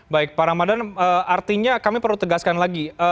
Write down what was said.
baik pak ramadan artinya kami perlu tegaskan lagi